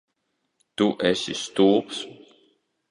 Tu esi stulbs?